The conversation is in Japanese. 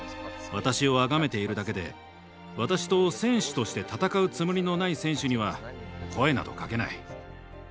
私をあがめているだけで私と選手として「戦う」つもりのない選手には声などかけない。